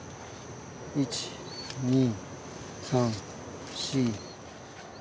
１２３４。